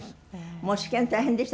もう試験大変でした。